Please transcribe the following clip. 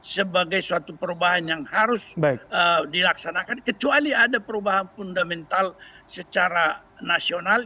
sebagai suatu perubahan yang harus dilaksanakan kecuali ada perubahan fundamental secara nasional